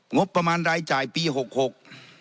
งบประมาณรายจ่ายปีหกหก